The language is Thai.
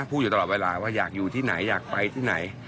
พูดอยู่ตลอดเวลาว่าอยากอยู่ที่ไหนอยากไปที่ไหน